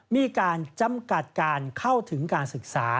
มีการจำกัดการเข้าถึงการศึกษา